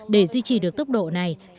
để duy trì được tốc độ này